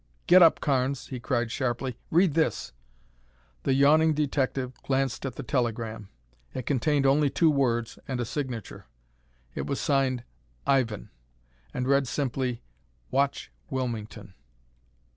"Get up, Carnes," he cried sharply. "Read this!" The yawning detective glanced at the telegram. It contained only two words and a signature. It was signed "Ivan," and read simply, "Watch Wilmington."